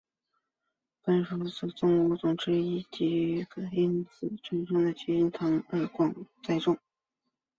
本属中的物种之一甜叶菊因其叶子生产甜菊糖而广为栽种。